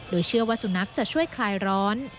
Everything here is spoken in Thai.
โดยเชื่อว่าสุนัขจะช่วยคลายร้อน